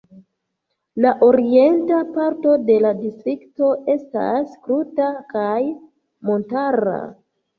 La orienta parto de la Distrikto estas kruta kaj montara.